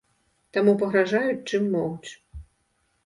Таму пагражаюць, чым могуць.